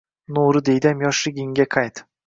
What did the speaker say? Nuri diydam yoshliginga qayt